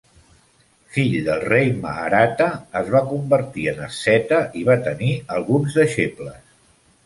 Fill del rei Maharatha, es va convertir en asceta i va tenir alguns deixebles.